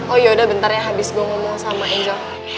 oh yaudah bentar ya habis gue ngomong sama angel